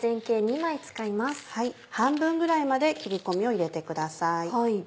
半分ぐらいまで切り込みを入れてください。